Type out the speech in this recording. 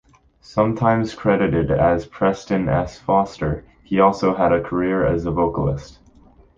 Sometimes credited as Preston S. Foster, he also had a career as a vocalist.